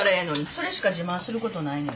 それしか自慢することないのに。